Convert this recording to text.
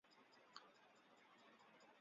长萼连蕊茶是山茶科山茶属的植物。